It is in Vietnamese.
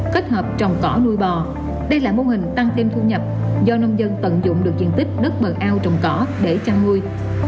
kết hợp trồng cỏ nuôi bò đây là mô hình tăng thêm thu nhập do nông dân tận dụng được diện tích đất bần ao trồng cỏ để chăn nuôi